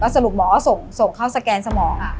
สรุปหมอก็ส่งเข้าสแกนสมอง